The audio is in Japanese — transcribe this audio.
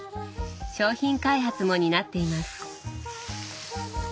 商品開発も担っています。